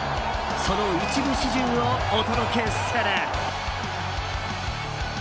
その一部始終をお届けする。